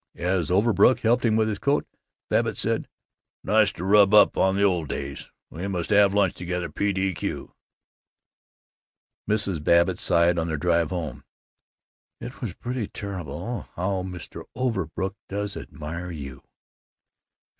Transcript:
As Overbrook helped him with his coat, Babbitt said, "Nice to rub up on the old days! We must have lunch together, P.D.Q." Mrs. Babbitt sighed, on their drive home, "It was pretty terrible. But how Mr. Overbrook does admire you!"